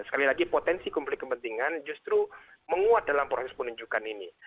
sekali lagi potensi konflik kepentingan justru menguat dalam proses penunjukan ini